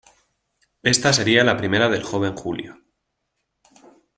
Esta sería la primera del joven Julio.